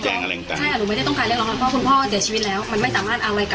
ตั้งแต่เพลงตั้งแต่แรกอ่ะไอ้น้ำเปิดเพลงตั้งแต่แรกอ่ะ